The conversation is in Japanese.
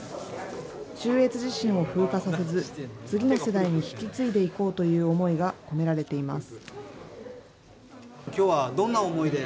中越地震を風化させず、次の世代に引き継いでいこうという思いが込められています。